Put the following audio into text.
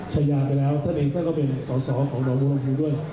ชะยาไปแล้วท่านเองก็เป็นสอสอของเราด้วย